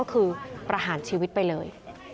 ก็คือประหารชีวิตไปเลย